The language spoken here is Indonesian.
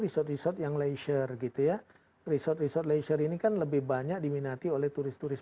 resort resort yang leisure gitu ya resort resort leisure ini kan lebih banyak diminati oleh turis turis